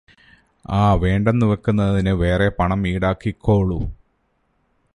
ആ വേണ്ടെന്നുവെക്കുന്നതിന് വേറെ പണം ഈടാക്കിക്കോളു